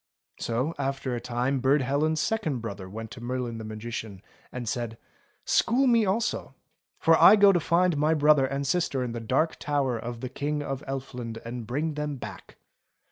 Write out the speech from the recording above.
So after a time Burd Helen's second brother went to Merlin the Magician and said :" School me also, for I go to find my brother and sister in the Dark Tower of the King of Elfland and bring them back."